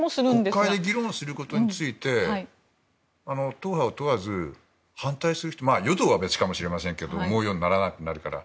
国会で議論することについて党派を問わず反対する人与党は別かもしれませんけど思うようにならなくなるから。